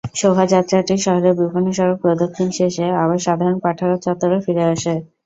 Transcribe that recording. শোভাযাত্রাটি শহরের বিভিন্ন সড়ক প্রদক্ষিণ শেষে আবার সাধারণ পাঠাগার চত্বরে ফিরে আসে।